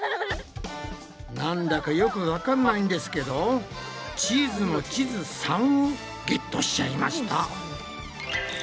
なんだかよくわかんないんですけど「チーズのちず３」をゲットしちゃいました。